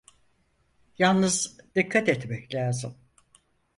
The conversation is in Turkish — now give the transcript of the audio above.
Yalnız dikkat etmek lazım…